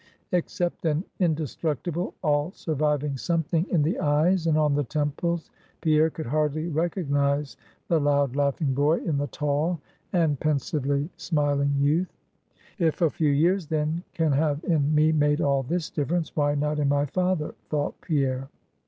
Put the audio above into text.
Except an indestructible, all surviving something in the eyes and on the temples, Pierre could hardly recognize the loud laughing boy in the tall, and pensively smiling youth. If a few years, then, can have in me made all this difference, why not in my father? thought Pierre.